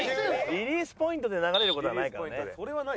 リリースポイントで流れる事はないからね。